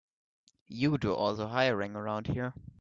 You do all the hiring around here.